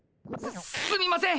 すすみません！